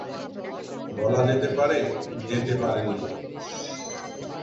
বলা যেতে পারে যেতে পারেননি।